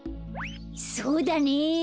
そうだね！